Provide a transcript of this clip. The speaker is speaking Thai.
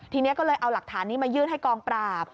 ทีนี้ก็เลยเอาหลักฐานนี้มายื่นให้กองปราบ